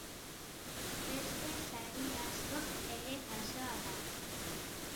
Beste sari asko ere jasoa da.